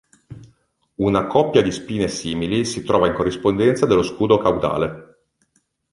Una coppia di spine simili si trova in corrispondenza dello scudo caudale.